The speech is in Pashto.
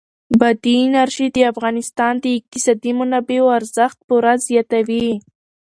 بادي انرژي د افغانستان د اقتصادي منابعو ارزښت پوره زیاتوي.